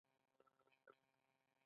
دا د مسلطو ټولنیزو جوړښتونو محصول دی.